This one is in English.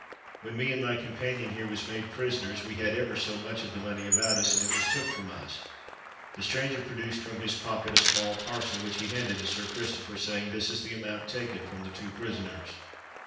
"When me and my companion here was made prisoners, we had ever so much of the money about us; and it was took from us." The stranger produced from his pocket a small parcel which he handed to Sir Christopher, saying, "There is the amount taken from the two prisoners."